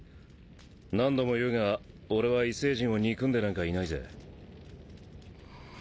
何度も言うが兇楼枩運佑憎んでなんかいないぜ。